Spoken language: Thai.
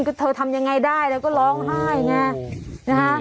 ก็เธอทำยังไงได้แล้วก็ร้องไห้ไงนะฮะ